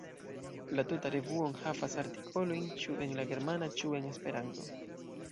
La tuta revuo enhavas artikolojn ĉu en la Germana ĉu en Esperanto.